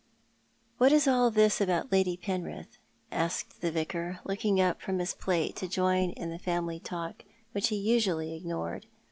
"What is all this about Lady Penrith?" asked the Vicar, looking up from his plate to join in the family talk, which he usually ignored.